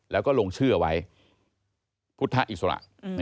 แล้วก็ลงชื่อเอาไว้พุทธอิสระ